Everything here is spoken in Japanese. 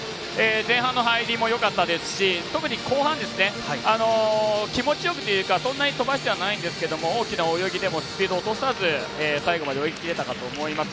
前半の入りもよかったですし特に後半気持ちよくというか、そんなに飛ばしてはいないんですけど大きな泳ぎでもスピードを落とさず最後まで泳ぎきれたかと思います。